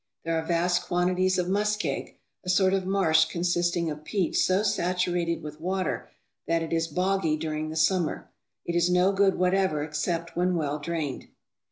There are vast quantities of muskeg, a sort of marsh consisting of peat so saturated with water that it is boggy during the summer. It is no good whatever except when well drained.